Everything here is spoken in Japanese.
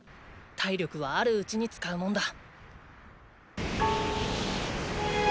体力はあるうちに使うもんだ。